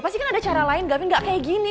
pasti kan ada cara lain gapin gak kayak gini